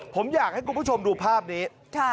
ผมอยากให้คุณผู้ชมดูภาพนี้